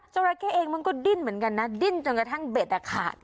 ราเข้เองมันก็ดิ้นเหมือนกันนะดิ้นจนกระทั่งเบ็ดอ่ะขาด